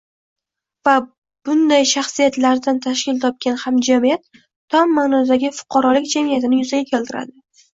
va bunday shaxsiyatlardan tashkil topgan hamjamiyat tom ma’nodagi fuqarolik jamiyatini yuzaga keltiradi.